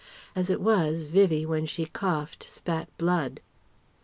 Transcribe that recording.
As it was, Vivie when she coughed spat blood.